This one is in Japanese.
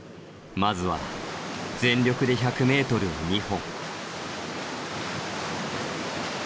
まずは全力で１００ｍを２本。